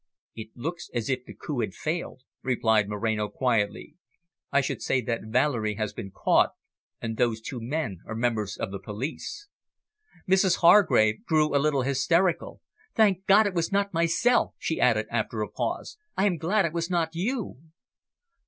"It looks as if the coup had failed," replied Moreno quietly. "I should say that Valerie has been caught, and those two men are members of the police." Mrs Hargrave grew a little hysterical. "Thank God, it was not myself," she added, after a pause. "I am glad it was not you."